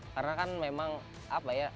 karena kan memang apa ya